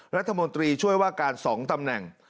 รัฐมนตรีช่วยว่าการ๒ตำแหน่ง